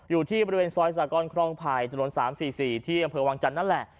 อยู่ที่บริเวณซอยสากรครองไผ่ถนน๓๔๔ที่อำเภอวังจันทร์นั่นแหละ